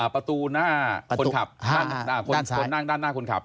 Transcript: ประตูหน้าคนขับ